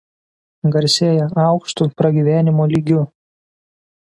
Garsėja aukštu pragyvenimo lygiu.